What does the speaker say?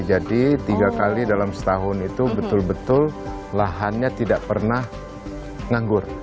jadi tiga kali dalam setahun itu betul betul lahannya tidak pernah nganggur